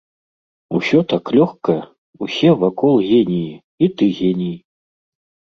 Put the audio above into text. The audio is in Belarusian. Усё так лёгка, усе вакол геніі, і ты геній.